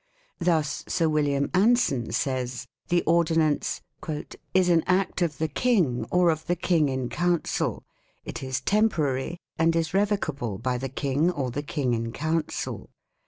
Thus Sir William Anson says : The ordinance " is an act of the King or of the King in Council : it is temporary, and is revocable by the King or the King in Council.